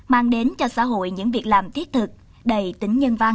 mang đến cho xã hội những việc làm thiết thực đầy tính nhân văn